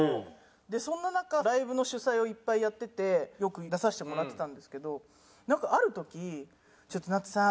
でそんな中ライブの主催をいっぱいやっててよく出させてもらってたんですけどなんかある時「ちょっとなつさん